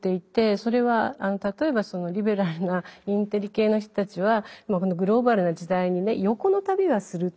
それは例えばそのリベラルなインテリ系の人たちはこのグローバルな時代にね横の旅はすると。